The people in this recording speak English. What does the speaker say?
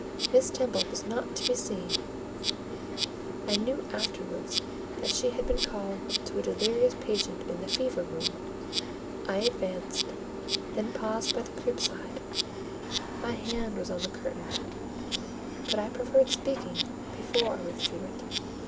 Miss Temple was not to be seen: I knew afterwards that she had been called to a delirious patient in the fever room. I advanced; then paused by the crib side: my hand was on the curtain, but I preferred speaking before I withdrew it.